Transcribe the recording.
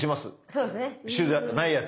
そうですね。